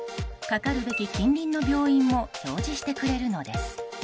かかるべき近隣の病院も表示してくれるのです。